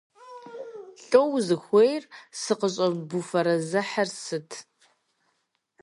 Лӏо узыхуейр? Сыкъыщӏэбуфэрэзыхьыр сыт?